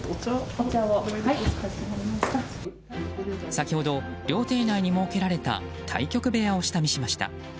先ほど、料亭内に設けられた対局部屋を下見しました。